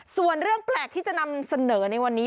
ส่วนเรื่องแปลกที่จะนำเสนอในวันนี้